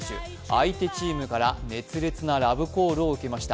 相手チームから熱烈なラブコールを受けました。